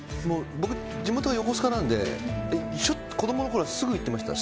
僕、地元は横須賀なんで子供のころはすぐ行ってました。